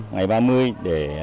ngày ba mươi để